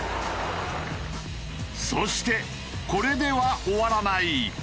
そしてこれでは終わらない。